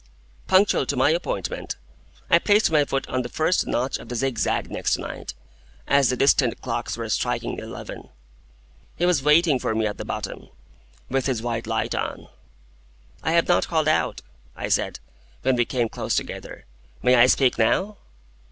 Punctual to my appointment, I placed my foot on the first notch of the zigzag next night, as the distant clocks were striking eleven. He was waiting for me at the bottom, with his white light on. "I have not called out," I said, when we came close together; "may I speak now?"